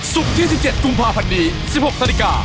ศุกร์ที่๑๗ภูมิภาพันธ์นี้๑๖นาฬิกา